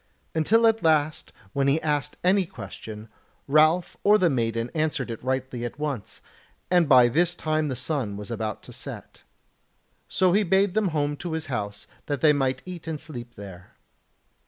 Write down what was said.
Until at last when he asked any question Ralph or the maiden answered it rightly at once; and by this time the sun was about to set. So he bade them home to his house that they might eat and sleep there.